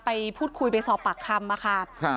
ไปพูดคุยไปสอบปากคำมาค่ะ